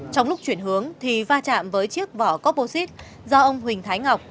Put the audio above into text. trong lúc chuyển hướng thì va chạm với chiếc vỏ coposite do ông huỳnh thái ngọc